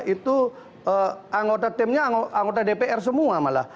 itu anggota timnya anggota dpr semua malah